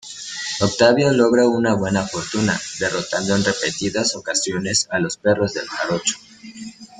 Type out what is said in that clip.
Octavio logra una buena fortuna, derrotando en repetidas ocasiones a los perros del Jarocho.